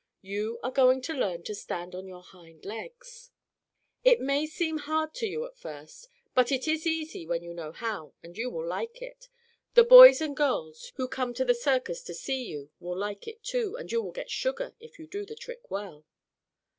You are going to learn to stand on your hind legs. It may seem hard to you at first, but it is easy when you know how, and you will like it. The boys and girls who come to the circus to see you, will like it, too, and you will get sugar if you do the trick well."